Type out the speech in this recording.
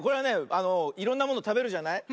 あのいろんなものたべるじゃない？